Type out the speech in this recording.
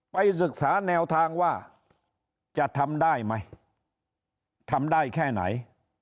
ไปศึกษาแนวทางว่าจะทำได้ไหมทำได้แค่ไหน